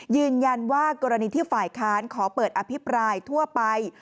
ยืนยันว่ากรณีที่ฝ่ายค้านขอเปิดอภิปรายทั่วไป